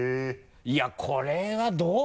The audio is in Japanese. いやこれはどう？